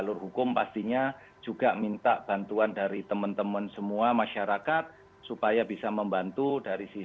tapi kalau pada akhirnya privisi inioe pak fatih yang bertanggung jawab tidak merealisasikan ya apa boleh buat kami akan tempuh jalur hukum